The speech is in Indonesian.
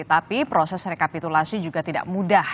tapi proses rekapitulasi juga tidak mudah